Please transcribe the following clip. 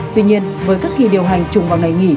tuy nhiên với các kỳ điều hành chung vào ngày nghỉ